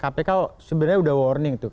kpk sebenarnya udah warning tuh